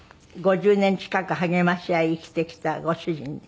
５０年近く励まし合い生きてきたご主人で。